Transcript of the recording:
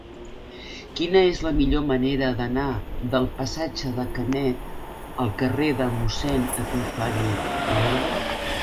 Quina és la millor manera d'anar del passatge de Canet al carrer de Mossèn Epifani Lorda?